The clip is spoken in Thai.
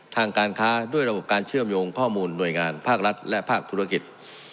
ทางการค้าด้วยระบบการเชื่อมโยงข้อมูลหน่วยงานภาครัฐและภาคธุรกิจ